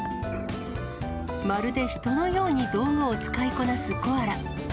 まるで人のように道具を使いこなすコアラ。